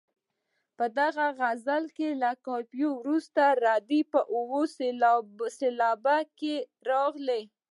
په دې غزل کې له قافیې وروسته ردیف په اوه سېلابه کې راغلی.